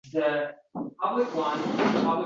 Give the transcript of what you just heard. Qurbonlarning aksariyati o‘z mashinasida yonib ketgan